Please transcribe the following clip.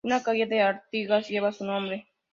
Una calle de Artigas lleva su nombre.